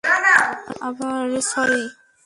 আবার, স্যরি?